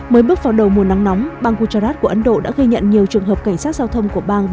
mới bước vào đầu mùa nắng nóng bang gujarat của ấn độ đã ghi nhận nhiều trường hợp cảnh sát giao thông của bang